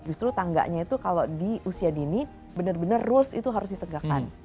justru tangganya itu kalau di usia dini benar benar rules itu harus ditegakkan